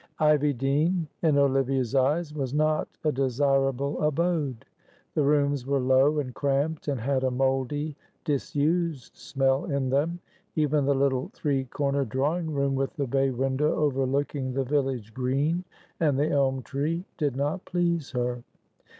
Ivy Dene, in Olivia's eyes, was not a desirable abode. The rooms were low and cramped, and had a mouldy, disused smell in them. Even the little three cornered drawing room with the bay window overlooking the village green and the elm tree did not please her.